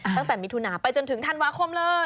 ตั้งแต่มิถุนาไปจนถึงธันวาคมเลย